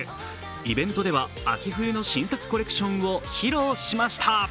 イベントでは秋冬の新作コレクションを披露しました。